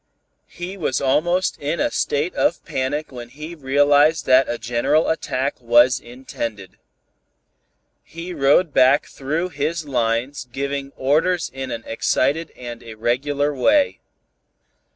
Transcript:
He was almost in a state of panic when he realized that a general attack was intended. He rode back through his lines giving orders in an excited and irregular way.